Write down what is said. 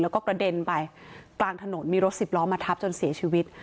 แล้วก็กระเด็นไปกลางถนนมีรถสิบล้อมาทับจนเสียชีวิต